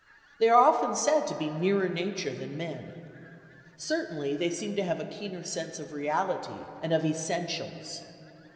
They are often said to be nearer nature than men. Certainly they seem to have a keener sense of reality and of essentials.